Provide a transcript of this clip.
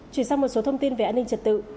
chuyển sang một số thông tin về an ninh trật tự